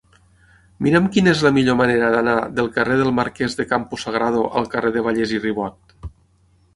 Mira'm quina és la millor manera d'anar del carrer del Marquès de Campo Sagrado al carrer de Vallès i Ribot.